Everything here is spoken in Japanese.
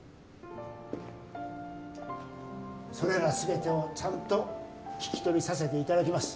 それら全てをちゃんと聞き取りさせていただきます